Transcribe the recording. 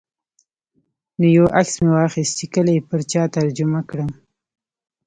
نو یو عکس مې واخیست چې کله یې پر چا ترجمه کړم.